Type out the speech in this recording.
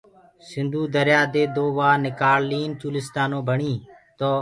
سنڌو دريآ دي دو وآه نڪآݪنيٚ چولستآنيٚ ڀڻيٚ تو